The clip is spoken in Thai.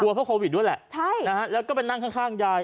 กลัวเพราะโควิดด้วยแหละแล้วก็ไปนั่งข้างยาย